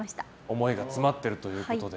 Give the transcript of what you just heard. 思いが詰まっているということで。